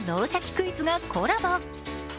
クイズ」がコラボ。